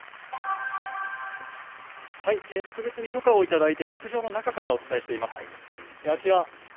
特別に許可をいただいて牧場の中からお伝えしています。